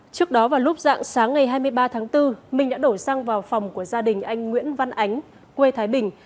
trước đó vào lúc dạng sáng ngày hai mươi ba tháng bốn minh đã đổ xăng vào phòng của gia đình anh nguyễn văn ánh quê thái bình